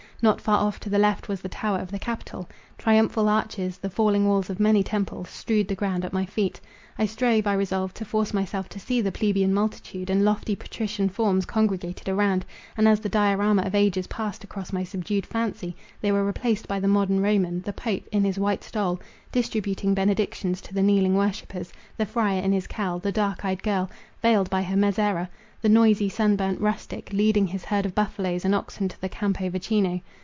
Not far off, to the left, was the Tower of the Capitol. Triumphal arches, the falling walls of many temples, strewed the ground at my feet. I strove, I resolved, to force myself to see the Plebeian multitude and lofty Patrician forms congregated around; and, as the Diorama of ages passed across my subdued fancy, they were replaced by the modern Roman; the Pope, in his white stole, distributing benedictions to the kneeling worshippers; the friar in his cowl; the dark eyed girl, veiled by her mezzera; the noisy, sun burnt rustic, leading his herd of buffaloes and oxen to the Campo Vaccino.